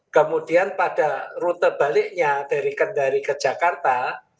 kemudian pada rute baliknya dari kendari ke jakarta